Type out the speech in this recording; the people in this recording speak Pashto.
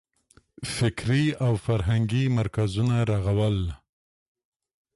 فکري او فرهنګي مرکزونه رغول.